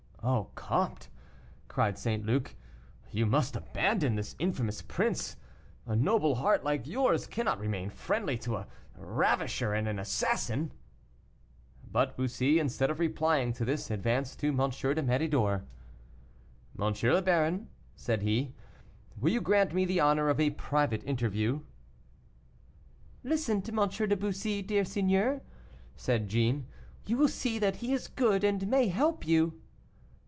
"Oh, comte," cried St. Luc, "you must abandon this infamous prince; a noble heart like yours cannot remain friendly to a ravisher and an assassin!" But Bussy instead of replying to this, advanced to M. de Méridor. "M. le Baron," said he, "will you grant me the honor of a private interview?" "Listen to M. de Bussy, dear seigneur," said Jeanne; "you will see that he is good and may help you."